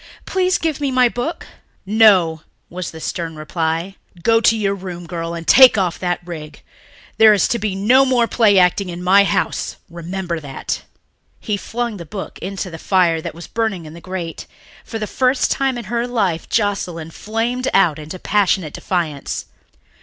Please give me my book." "No," was the stern reply. "Go to your room, girl, and take off that rig. There is to be no more play acting in my house, remember that." He flung the book into the fire that was burning in the grate. For the first time in her life Joscelyn flamed out into passionate defiance.